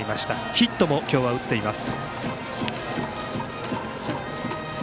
ヒットも今日は、打っています。